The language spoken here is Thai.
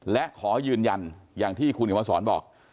และขอยืนยันอย่างที่คุณหญิงวันศรบอก